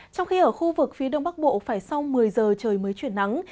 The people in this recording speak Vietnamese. trong khi ở khu vực phía đông bắc bộ phải sau một mươi giờ trời mới chuyển nắng